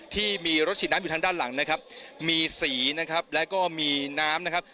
ที่มีรถฉีดน้ำอยู่ทางด้านหลังนะครับมีสีนะครับแล้วก็มีน้ำนะครับ